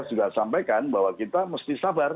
sudah sampaikan bahwa kita mesti sabar